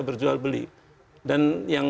berjual beli dan yang